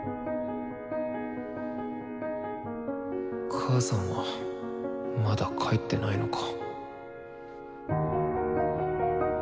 母さんはまだ帰ってないのか。